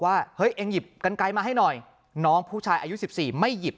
เฮ้ยเองหยิบกันไกลมาให้หน่อยน้องผู้ชายอายุ๑๔ไม่หยิบ